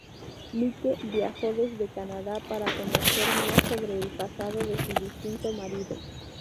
Mike viajó desde Canadá para conocer más sobre el pasado de su difunto marido.